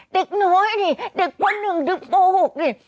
เด็กน้อยนี่เด็กพ่อหนึ่งดึงโป้งหกนี่